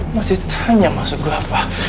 masih tanya maksud gue apa